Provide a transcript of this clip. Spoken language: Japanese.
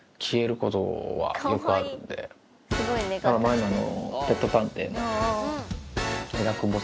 前にあの。